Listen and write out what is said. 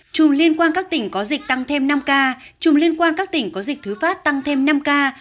chùm liên quan các tỉnh có dịch tăng thêm năm ca trùm liên quan các tỉnh có dịch thứ phát tăng thêm năm ca